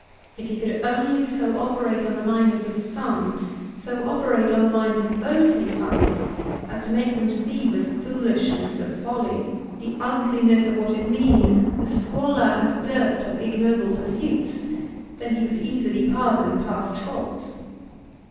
If he could only so operate on the mind of this son, so operate on the minds of both his sons, as to make them see the foolishness of folly, the ugliness of what is mean, the squalor and dirt of ignoble pursuits, then he could easily pardon past faults.